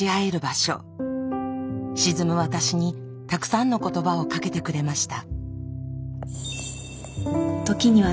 沈む私にたくさんの言葉をかけてくれました。